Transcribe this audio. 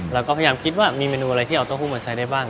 เราก็พยายามคิดว่ามีเมนูอะไรที่เอาเต้าหู้มาใช้ได้บ้าง